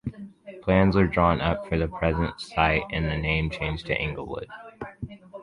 Plans were drawn up for the present site and the name changed to Inglewood.